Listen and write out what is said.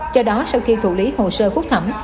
do đó sau khi thủ lý hồ sơ phúc thẩm